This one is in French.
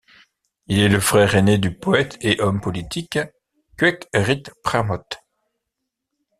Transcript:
Il est le frère aîné du poète et homme politique Khuek-rit Pramot.